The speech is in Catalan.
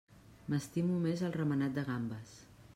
M'estimo més el remenat de gambes.